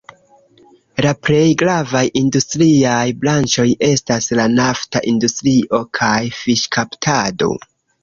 La plej gravaj industriaj branĉoj estas la nafta industrio kaj fiŝkaptado.